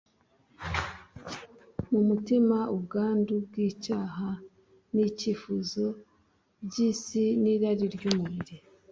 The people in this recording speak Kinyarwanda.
mu mutima ubwandu bw'icyaha n'ibyifuzo by'isi n'irari ry'umubiri